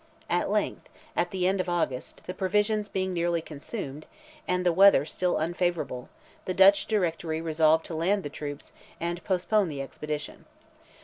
At length, at the end of August, the provisions being nearly consumed, and the weather still unfavourable, the Dutch Directory resolved to land the troops and postpone the expedition.